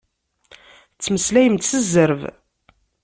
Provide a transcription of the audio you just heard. Tettmeslayemt s zzerb.